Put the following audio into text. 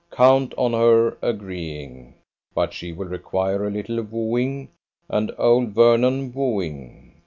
Count on her agreeing. But she will require a little wooing: and old Vernon wooing!